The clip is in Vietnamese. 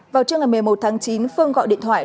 vào trưa ngày một mươi một tháng chín phương gọi điện thoại